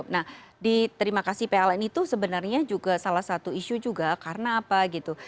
nah di terima kasih pln itu sebenarnya juga salah satu isu juga karena apa gitu